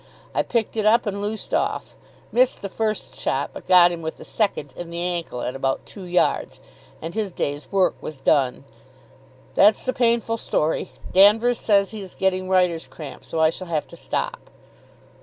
I picked it up, and loosed off. Missed the first shot, but got him with the second in the ankle at about two yards; and his day's work was done. That's the painful story. Danvers says he's getting writer's cramp, so I shall have to stop....